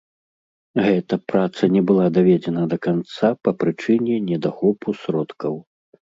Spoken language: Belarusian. Гэта праца не была даведзена да канца па прычыне недахопу сродкаў.